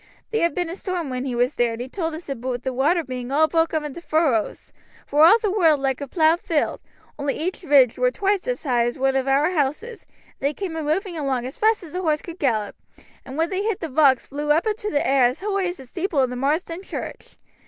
"Theere'd been a storm when he was there, and he told us aboot the water being all broke up into furrowes, vor all the world like a plowed field, only each ridge wur twice as high as one of our houses, and they came a moving along as fast as a horse could gallop, and when they hit the rocks vlew up into t' air as hoigh as the steeple o' Marsden church.